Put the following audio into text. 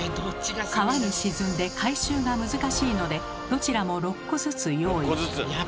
川に沈んで回収が難しいのでどちらも６個ずつ用意。